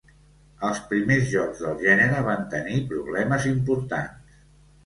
Els primers jocs del gènere van tenir problemes importants.